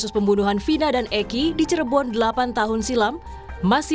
pembunuhan vina dan eki